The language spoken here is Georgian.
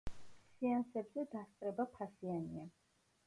სეანსებზე დასწრება ფასიანია.